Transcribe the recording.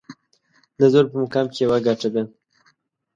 د زور په مقام کې يوه ګټه ده.